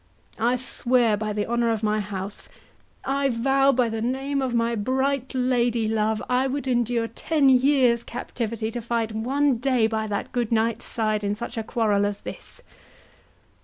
I swear by the honour of my house—I vow by the name of my bright lady love, I would endure ten years' captivity to fight one day by that good knight's side in such a quarrel as this!"